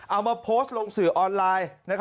เอามาโพสต์ลงสื่อออนไลน์